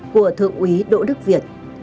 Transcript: của thượng úy đỗ đức việt